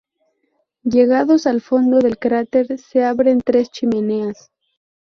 Llegados al fondo del cráter, se abren tres chimeneas.